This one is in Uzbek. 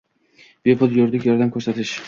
Bepul yuridik yordam ko'rsatish